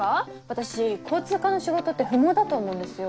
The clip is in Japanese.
私交通課の仕事って不毛だと思うんですよ。